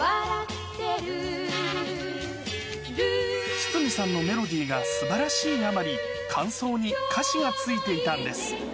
筒美さんのメロディーがすばらしいあまり、間奏に歌詞がついていたんです。